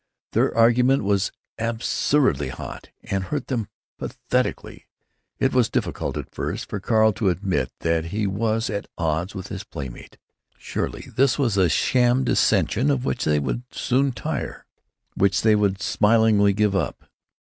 Their argument was absurdly hot, and hurt them pathetically. It was difficult, at first, for Carl to admit that he was at odds with his playmate. Surely this was a sham dissension, of which they would soon tire, which they would smilingly give up.